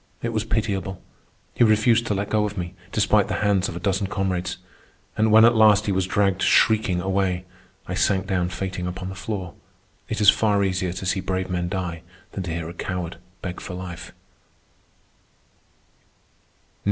It was pitiable. He refused to let go of me, despite the hands of a dozen comrades. And when at last he was dragged shrieking away, I sank down fainting upon the floor. It is far easier to see brave men die than to hear a coward beg for life.